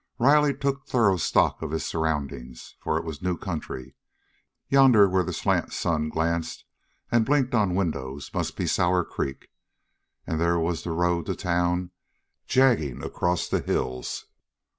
Riley took thorough stock of his surroundings, for it was a new country. Yonder, where the slant sun glanced and blinked on windows, must be Sour Creek; and there was the road to town jagging across the hills.